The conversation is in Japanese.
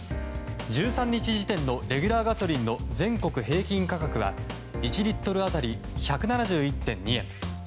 １３日時点のレギュラーガソリンの全国平均価格は１リットル当たり１７１．２円。